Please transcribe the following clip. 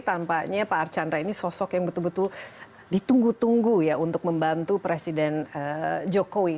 tampaknya pak archandra ini sosok yang betul betul ditunggu tunggu ya untuk membantu presiden jokowi